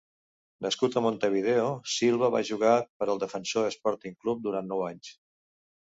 Nascut a Montevideo, Silva va jugar per al Defensor Sporting Club durant nou anys.